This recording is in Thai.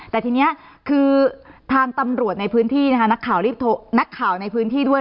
แต่ทีนี้คือทางตำรวจในพื้นที่นะคะนักข่าวรีบนักข่าวในพื้นที่ด้วย